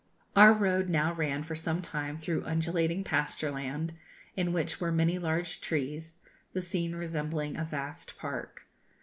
Our road now ran for some time through undulating pasture land, in which were many large trees, the scene resembling a vast park.